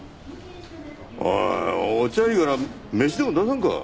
おいお茶いいから飯でも出さんか。